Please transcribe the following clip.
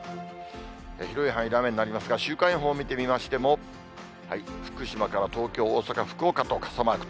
広い範囲で雨になりますが、週間予報を見てみましても、福島から東京、大阪、福岡と傘マーク。